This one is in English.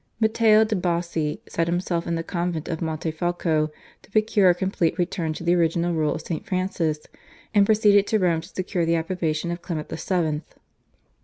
Matteo di Bassi set himself in the convent of Monte Falco to procure a complete return to the original rule of St. Francis, and proceeded to Rome to secure the approbation of Clement VII.